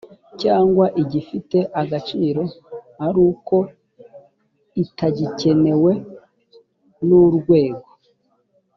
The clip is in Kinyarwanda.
cyangwa igifite agaciro ariko itagikenewe n urwego